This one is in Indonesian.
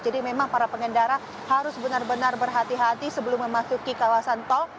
jadi memang para pengendara harus benar benar berhati hati sebelum memasuki kawasan tol